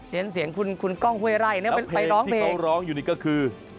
เรียนเสียงคุณก้องฮวยไร่แล้วเพลงที่เขาร้องอยู่นี่ก็คือ